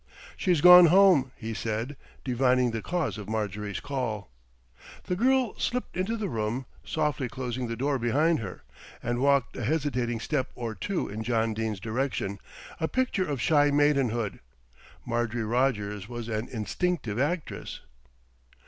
"She's gone home," he said, divining the cause of Marjorie's call. The girl slipped into the room, softly closing the door behind her, and walked a hesitating step or two in John Dene's direction, a picture of shy maidenhood. Marjorie Rogers was an instinctive actress.